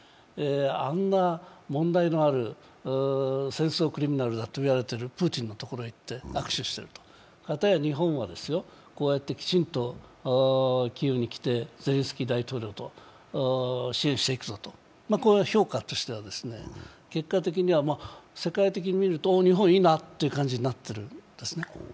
あんな問題のある戦争クリミナルたどいわれているプーチンのところにいって握手してると、方や日本はこうやってきちんとキーウに来てゼレンスキー大統領と支援していくぞと、これは評価としては、結果的には世界的に見ると、日本いいなって感じになってるんですね。